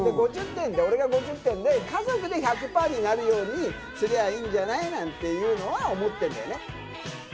５０点で俺が５０点で、家族で１００パーになるようにすりゃいいんじゃないなんていうのは思ってんだよね。